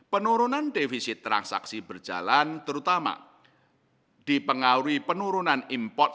penurunan defisit transaksi berjalan terutama dipengaruhi penurunan impor